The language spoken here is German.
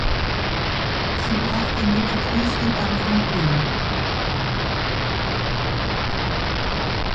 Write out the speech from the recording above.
Sie war damit die größte Bank in Ulm.